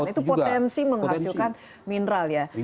itu potensi menghasilkan mineral ya